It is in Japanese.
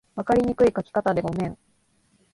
分かりにくい書き方でごめん